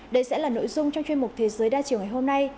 đây sẽ là nội dung trong chuyên mục thế giới đa chiều ngày hôm nay